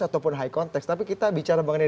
ataupun high context tapi kita bicara mengenai